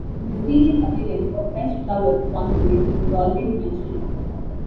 The mysterious appearance of fresh flowers upon the grave was always mentioned.